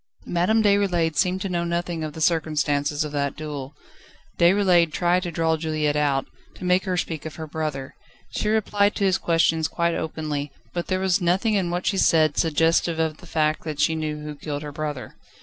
Madame Déroulède seemed to know nothing of the circumstances of that duel. Déroulède tried to draw Juliette out, to make her speak of her brother. She replied to his questions quite openly, but there was nothing in what she said, suggestive of the fact that she knew who killed her brother.